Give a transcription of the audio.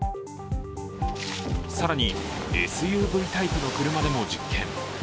更に、ＳＵＶタイプの車でも実験。